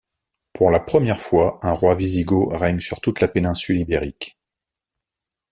Pour la première fois, un roi wisigoth règne sur toute la péninsule Ibérique.